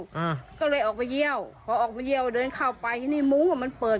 อ่าก็เลยออกไปเยี่ยวพอออกมาเยี่ยวเดินเข้าไปที่นี่มุ้งอ่ะมันเปิด